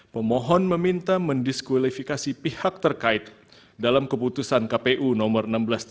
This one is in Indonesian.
pemohon meminta mendiskualifikasi pihak terkait dalam keputusan kpu nomor seribu enam ratus tiga puluh dua